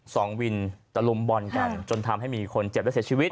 สองวินตะลุมบอลกันจนทำให้มีคนเจ็บและเสียชีวิต